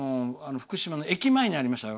福島の駅前にありました。